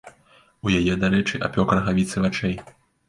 У яе, дарэчы, апёк рагавіцы вачэй.